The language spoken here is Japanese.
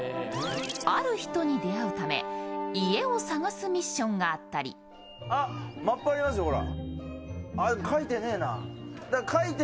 ある人に出会うため家を探すミッションがあったりこっちに来い、お前ら。